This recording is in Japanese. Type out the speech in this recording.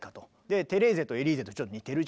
「テレーゼ」と「エリーゼ」とちょっと似てるじゃん。